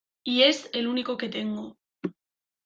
Y es el único que tengo.